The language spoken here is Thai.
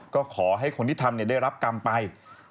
ก็ขอให้คนที่ทำได้รับกรรมไป